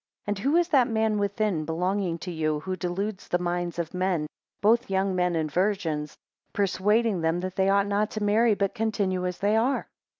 and who is that man within, belonging to you, who deludes the minds of men, both young men and virgins, persuading them, that they ought not to marry, but continue as they are?